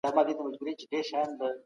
ملي شورا مالي مرسته نه کموي.